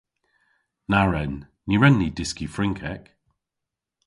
Na wren. Ny wren ni dyski Frynkek.